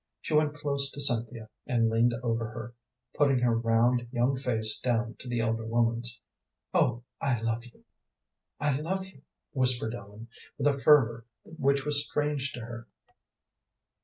She went close to Cynthia, and leaned over her, putting her round, young face down to the elder woman's. "Oh, I love you, I love you," whispered Ellen, with a fervor which was strange to her.